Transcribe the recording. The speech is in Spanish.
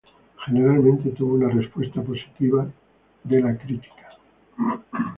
Generalmente, tuvo una respuesta positiva de la crítica.